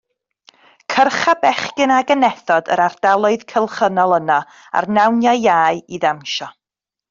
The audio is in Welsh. Cyrcha bechgyn a genethod yr ardaloedd cylchynol yno ar nawniau Iau i ddawnsio.